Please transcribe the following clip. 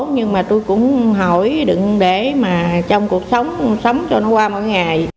nhưng mà tôi cũng hỏi đừng để mà trong cuộc sống sống cho nó qua một ngày